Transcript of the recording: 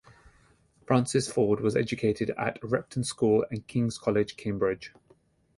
Francis Ford was educated at Repton School and King's College, Cambridge.